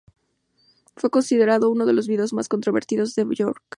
Fue considerado uno de los vídeos más controvertidos de Björk.